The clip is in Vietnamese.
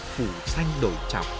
phủ xanh đổi chọc